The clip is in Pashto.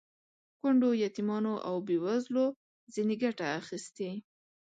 کونډو، یتیمانو او بې وزلو ځنې ګټه اخیستې.